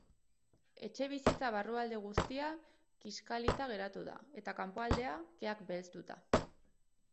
Etxebizitza barrualde guztia kiskalita geratu da, eta kanpoaldea keak belztuta.